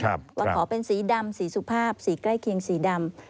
ก็ขอเป็นสีดำสีสุภาพสีใกล้เคียงสีดำ